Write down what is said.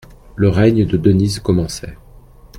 Le règne de Denise commençait.